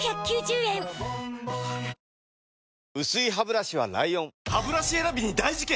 薄いハブラシは ＬＩＯＮハブラシ選びに大事件！